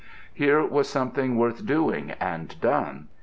Here was something worth doing and done.